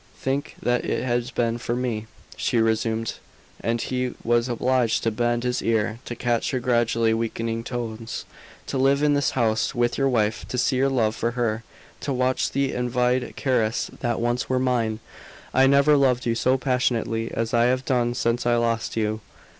"Think what it has been for me!" she resumed, and he was obliged to bend his ear to catch her gradually weakening tones. "To live in this house with your wife to see your love for her to watch the envied caresses that once were mine! I never loved you so passionately as I have done since I lost you.